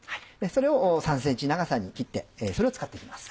それを３ｃｍ長さに切ってそれを使って行きます。